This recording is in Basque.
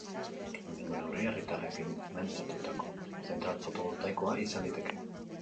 Lehenengo neurria, herritarrek finantzatutako zentral fotovoltaikoa izan liteke.